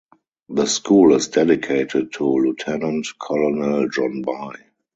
The school is dedicated to Lieutenant-Colonel John By.